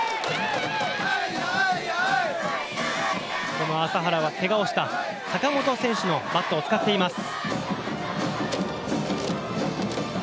この麻原はけがをした坂本選手のバットを使っています。